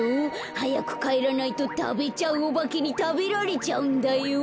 はやくかえらないとたべちゃうおばけにたべられちゃうんだよ。